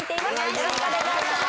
よろしくお願いします。